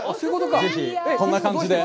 ぜひこんな感じで。